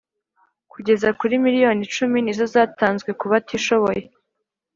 kugeza kuri miliyoni icumi nizo zatanzwe kubatishoboye